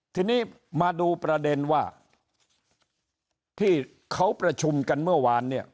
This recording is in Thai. ทีนี้มาดูประเด็นว่าที่เขาประชุมกันเมื่อวานเนี่ย